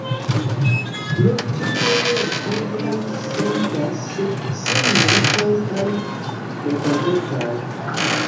Pro tio litovoj sentas sin malriĉaj kaj nekontentaj.